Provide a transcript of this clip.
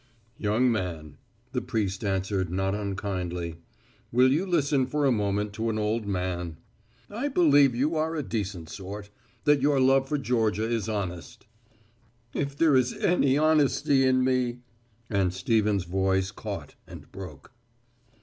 "Young man," the priest answered not unkindly, "will you listen for a moment to an old man? I believe that you are a decent sort that your love for Georgia is honest " "If there is any honesty in me," and Stevens' voice caught and broke.